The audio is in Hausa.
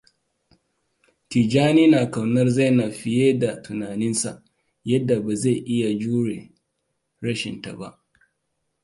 Tijjani na ƙaunar Zainabt fiye da tunaninsa, yadda ba zai iya jure rashinta ba.